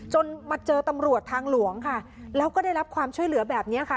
มาเจอตำรวจทางหลวงค่ะแล้วก็ได้รับความช่วยเหลือแบบนี้ค่ะ